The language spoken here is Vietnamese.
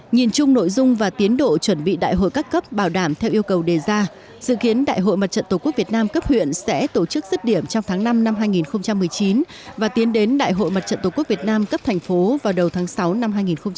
nhìn chung nội dung và tiến độ chuẩn bị đại hội cấp cấp bảo đảm theo yêu cầu đề ra dự kiến đại hội mặt trận tqvn cấp huyện sẽ tổ chức dứt điểm trong tháng năm năm hai nghìn một mươi chín và tiến đến đại hội mặt trận tqvn cấp thành phố vào đầu tháng sáu năm hai nghìn một mươi chín